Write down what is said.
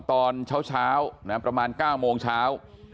ตอนเช้าประมาณ๙โมงเช้า